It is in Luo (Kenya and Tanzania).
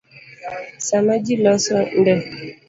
Sama ji loso nde